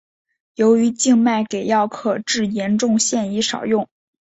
由于静脉给药可致严重现已少用。